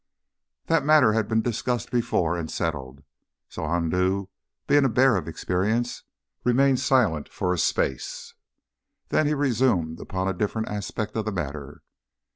That matter had been discussed before, and settled. So Andoo, being a bear of experience, remained silent for a space. Then he resumed upon a different aspect of the matter.